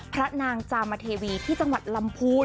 พระนางจามเทวีที่จังหวัดลำพูน